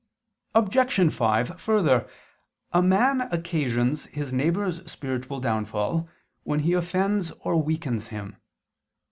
Obj. 5: Further, a man occasions his neighbor's spiritual downfall when he offends or weakens him.